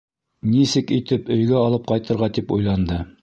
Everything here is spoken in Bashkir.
Нисек итеп өйгә алып ҡайтырға, тип уйланды.